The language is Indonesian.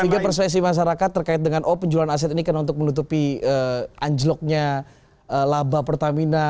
sehingga persepsi masyarakat terkait dengan oh penjualan aset ini karena untuk menutupi anjloknya laba pertamina